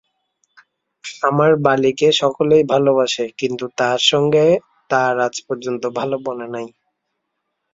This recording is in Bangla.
আমার বালিকে সকলেই ভালোবাসে, কিন্তু তাঁর সঙ্গে তার আজ পর্যন্ত ভালো বনে নাই।